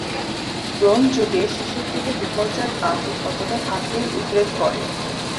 Bronze যুগের শেষের দিকের বিপর্যয় কাচ উৎপাদনে ঘাটতির উদ্রেক করে।